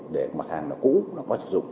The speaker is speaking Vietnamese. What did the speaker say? để mặt hàng nó cũ nó có sử dụng